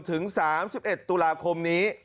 ถึง๓๑ตุลาคมนี้